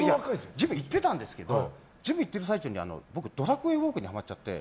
ジム、行ってたんですけど行ってる最中に僕「ドラクエウォーク」にはまっちゃって。